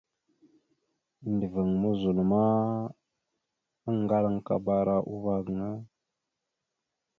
Endəveŋá muzol ma, aŋgalaŋkabara uvah gaŋa.